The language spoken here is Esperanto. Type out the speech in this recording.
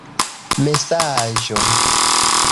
mesaĝo